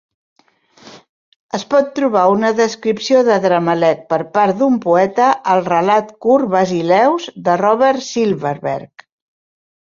Es pot trobar una descripció d'Adramelech per part d'un poeta al relat curt "Basileus", de Robert Silverberg.